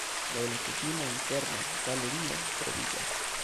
Laŭ la kutimo interne galerio troviĝas.